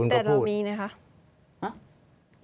แต่เรามีนะครับ